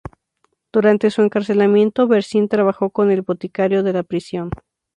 Durante su encarcelamiento Berzin trabajó con el boticario de la prisión.